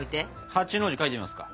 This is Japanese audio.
８の字描いてみますか？